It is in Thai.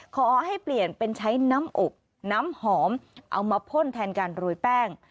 ขอให้เปลี่ยนเป็นใช้น้ำอบน้ำหอมเอามาพ่นแทนการโรยแป้ง